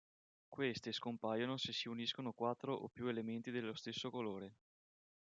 Queste scompaiono se si uniscono quattro o più elementi dello stesso colore.